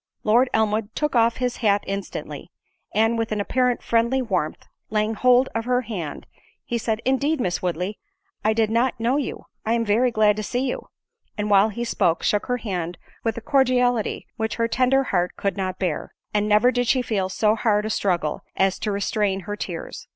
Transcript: Lord Elmwood took off his hat instantly—and, with an apparent friendly warmth, laying hold of her hand, he said, "Indeed, Miss Woodley, I did not know you—I am very glad to see you:" and while he spoke, shook her hand with a cordiality which her tender heart could not bear—and never did she feel so hard a struggle as to restrain her tears.